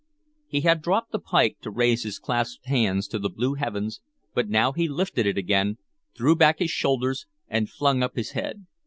He had dropped the pike to raise his clasped hands to the blue heavens, but now he lifted it again, threw back his shoulders, and flung up his head.